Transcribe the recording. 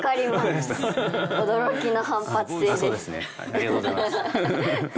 ありがとうございます。